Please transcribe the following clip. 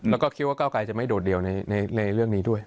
แล้วก็คิดว่าเก้าไกรจะไม่โดดเดี่ยวในเรื่องนี้ด้วย